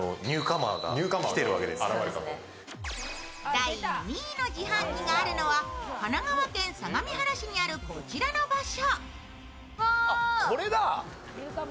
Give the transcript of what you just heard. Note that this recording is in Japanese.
第２位の自販機があるのは、神奈川県相模原市にあるこちらの場所。